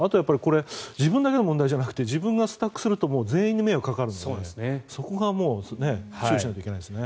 自分だけの問題じゃなくて自分がスタックすると全員に迷惑がかかるのでそこは注意しなければいけないですよね。